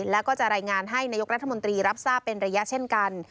แล้วก็จะรายงานให้นายกรัฐมนตรีรับทราบเป็นระยะเช่นกัน